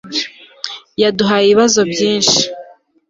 yaduhaye ibibazo byinshi